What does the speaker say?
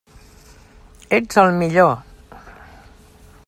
Ets el millor!